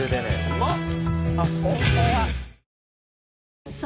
うまっ。